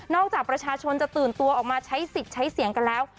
จากประชาชนจะตื่นตัวออกมาใช้สิทธิ์ใช้เสียงกันแล้ว